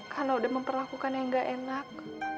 karena udah memperlakukan yang gak enak